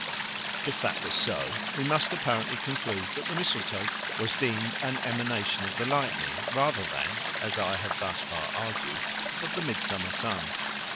If that was so, we must apparently conclude that the mistletoe was deemed an emanation of the lightning rather than, as I have thus far argued, of the midsummer sun.